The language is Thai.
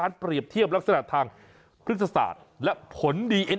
ผลจากการเปรียบเทียบลักษณะทางพฤษศาสตร์และผลดีเอ็นเอ